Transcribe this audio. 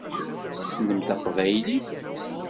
Tessnem taqbaylit?